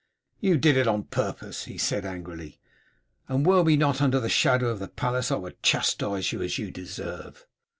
"You did it on purpose," he said angrily, "and were we not under the shadow of the palace I would chastise you as you deserve."